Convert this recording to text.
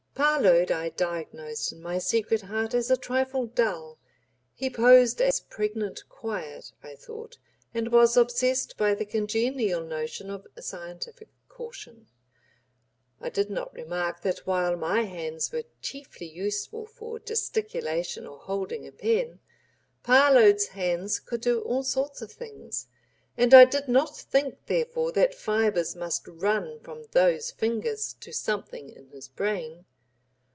Parload I diagnosed in my secret heart as a trifle dull; he posed as pregnant quiet, I thought, and was obsessed by the congenial notion of "scientific caution." I did not remark that while my hands were chiefly useful for gesticulation or holding a pen Parload's hands could do all sorts of things, and I did not think therefore that fibers must run from those fingers to something in his brain.